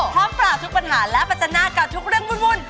พร้อมปราบทุกปัญหาและปัจจนากับทุกเรื่องวุ่น